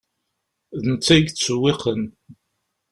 D netta i yettsewwiqen.